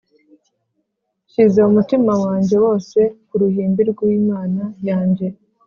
Nshyize umutima wanjye woseKu ruhimbi rw’Imana yanjye